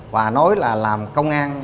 và nói là làm công an